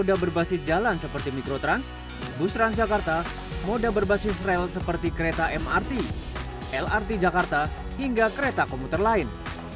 moda berbasis jalan seperti mikrotrans bus transjakarta moda berbasis rel seperti kereta mrt lrt jakarta hingga kereta komuter lain